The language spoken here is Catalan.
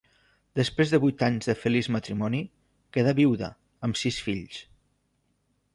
Després de vuit anys de feliç matrimoni, quedà vídua, amb sis fills.